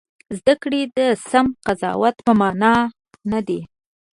زده کړې د سم قضاوت په مانا نه دي.